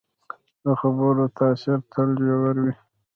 د خبرو تاثیر تل ژور وي